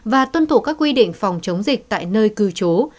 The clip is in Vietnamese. và tuân thủ các quy định phòng chống dịch tại nơi cư trú